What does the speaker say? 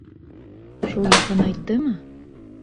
Шул яҡынайттымы?